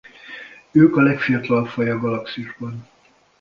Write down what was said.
Ők a legfiatalabb faj a galaxisban.